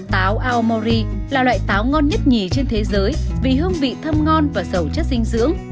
táo aomori là loại táo ngon nhất nhì trên thế giới vì hương vị thơm ngon và sầu chất dinh dưỡng